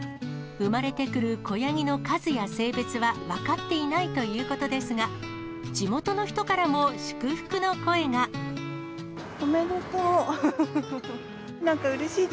産まれてくる子ヤギの数や性別は分かっていないということですが、おめでとう。